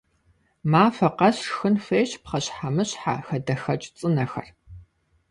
Махуэ къэс шхын хуейщ пхъэщхьэмыщхьэ, хадэхэкӀ цӀынэхэр.